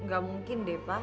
gak mungkin deh pak